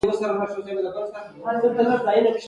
که دانا يې اور له خپله سره مړ کړه.